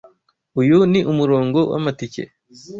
Uyu ni umurongo wamatike.